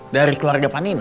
dari keluarga panino